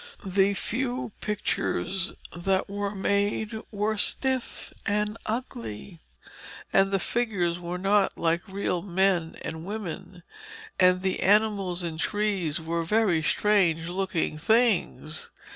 The few pictures that were made were stiff and ugly, the figures were not like real men and women, the animals and trees were very strange looking things.